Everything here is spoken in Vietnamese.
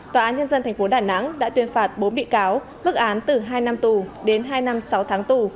tòa án nhân dân tp đà nẵng đã tuyên phạt bốn bị cáo bức án từ hai năm tù đến hai năm sáu tháng tù